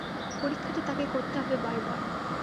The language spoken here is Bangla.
পরীক্ষাটি তাকে করতে হবে বারবার।